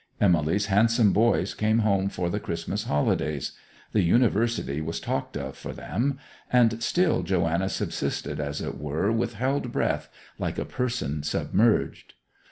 Emily's handsome boys came home for the Christmas holidays; the University was talked of for them; and still Joanna subsisted as it were with held breath, like a person submerged.